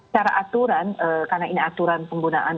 secara aturan karena ini aturan penggunaan